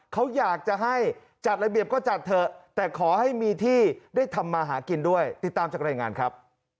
เขาอยากจะให้จัดระเบียบก็จัดเถอะแต่ขอให้มีที่ได้ทำมาหากินด้วยติดตามจากรายงานครับ